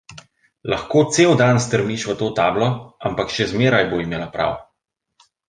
Lahko cel dan strmiš v to tablo, ampak še zmeraj bo imela prav.